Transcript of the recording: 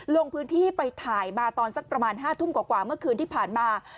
ลงพื้นที่ไปถ่ายมาตอนสักประมาณ๕ทุ่มกว่าเมื่อคืนที่ผ่านมา